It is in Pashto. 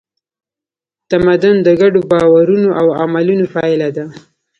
تمدن د ګډو باورونو او عملونو پایله ده.